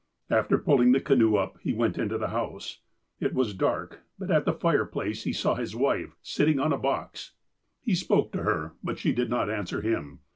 "After pulling the canoe up, he went into the house. It was dark, but at the fireplace he saw his wife, sitting on a box. He spoke to her, but she did not answer him.